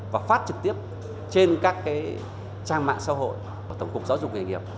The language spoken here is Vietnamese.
và phát trực tiếp trên các trang mạng xã hội và tổng cục giáo dục nghề nghiệp